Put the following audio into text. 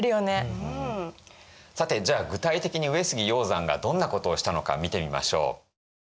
さてじゃあ具体的に上杉鷹山がどんなことをしたのか見てみましょう。